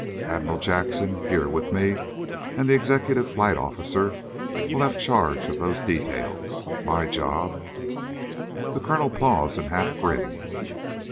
Admiral Jackson, here with me, and the executive flight officer, will have charge of those details. My job " The colonel paused and half grinned.